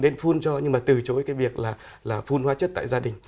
nên phun cho nhưng mà từ chối cái việc là phun hóa chất tại gia đình